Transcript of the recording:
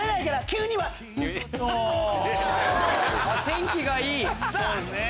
天気がいい！